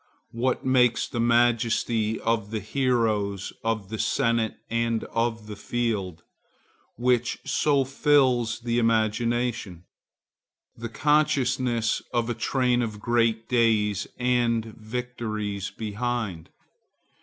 What makes the majesty of the heroes of the senate and the field, which so fills the imagination? The consciousness of a train of great days and victories behind.